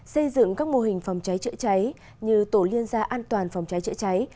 xây dựng các mô hình phòng cháy chữa cháy như tổ liên gia an toàn phòng cháy chữa cháy